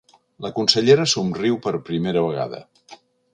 La consellera somriu per primera vegada.